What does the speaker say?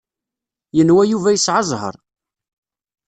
Yenwa Yuba yesɛa zzheṛ.